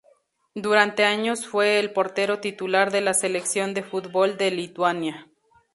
Durante años fue el portero titular de la selección de fútbol de Lituania.